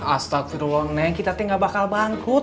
astagfirullah neng kita t gak bakal bangkrut